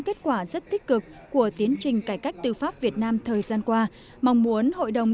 kết quả rất tích cực của tiến trình cải cách tư pháp việt nam thời gian qua mong muốn hội đồng